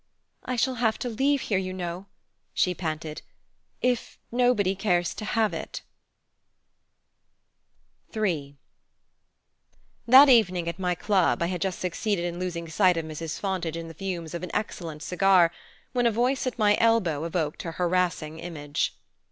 "I shall have to leave here, you know," she panted, "if nobody cares to have it " III That evening at my club I had just succeeded in losing sight of Mrs. Fontage in the fumes of an excellent cigar, when a voice at my elbow evoked her harassing image.